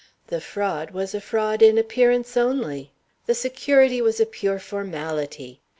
The fraud was a fraud in appearance only. The security was a pure formality.